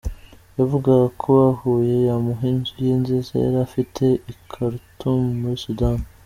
Yavugaga ko bahuye yamuha inzu ye nziza yari afite i Khartoum muri Soudan.